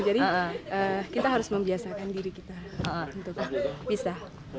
jadi kita harus membiasakan diri kita untuk bisa